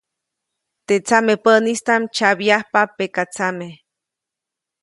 Teʼ tsamepäʼnistaʼm tsyabyajpa pekatsame.